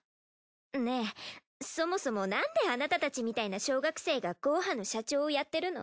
ねぇそもそもなんであなたたちみたいな小学生がゴーハの社長をやってるの？